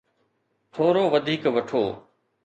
ٿورو وڌيڪ وٺو.